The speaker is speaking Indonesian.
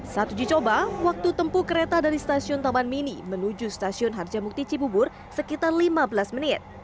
saat uji coba waktu tempuh kereta dari stasiun taman mini menuju stasiun harjamukti cibubur sekitar lima belas menit